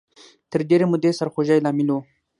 تر ډېرې مودې سرخوږۍ لامل و